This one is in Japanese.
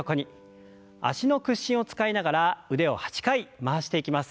脚の屈伸を使いながら腕を８回回していきます。